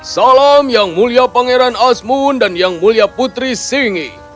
salam yang mulia pangeran asmun dan yang mulia putri singi